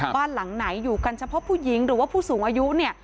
บ้านหลังไหนอยู่กันเฉพาะผู้หญิงหรือว่าผู้สูงอายุเนี่ย